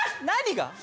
何が？